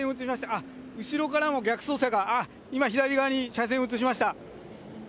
あっ、後ろからも逆走車が、あっ、今、左側に車線移しました。